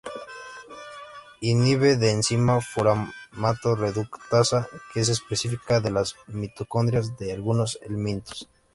Inhibe la enzima fumarato-reductasa, que es específica de las mitocondrias de algunos helmintos.